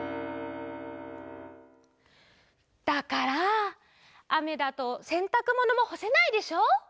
だからあめだとせんたくものもほせないでしょ。